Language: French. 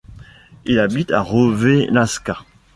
Il habite à Rovellasca.